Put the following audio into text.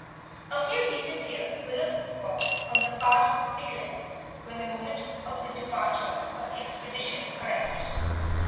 A few decent tears were looked for on the part of Nicholas when the moment for the departure of the expedition arrived.